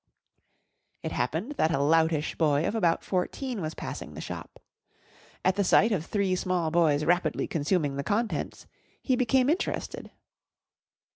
It happened that a loutish boy of about fourteen was passing the shop. At the sight of three small boys rapidly consuming the contents, he became interested.